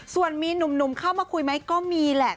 ส่วนมีหนุ่มเข้ามาคุยไหมก็มีแหละ